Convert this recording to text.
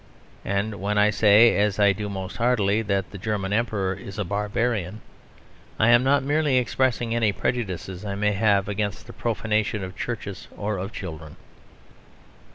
And when I say (as I do most heartily) that the German Emperor is a barbarian, I am not merely expressing any prejudices I may have against the profanation of churches or of children.